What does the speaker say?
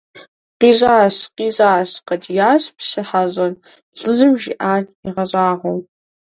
КъищӀащ! КъищӀащ! – къэкӀиящ пщы хьэщӀэр, лӀыжьым жиӀар игъэщӀагъуэу.